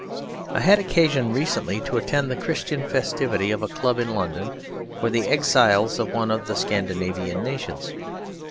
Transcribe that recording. I had occasion recently to attend the Christmas festivity of a club in London for the exiles of one of the Scandinavian nations.